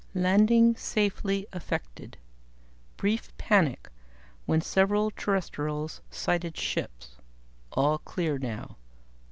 _"Landing safely effected. Brief panic when several Terrestrials sighted ships; all clear now.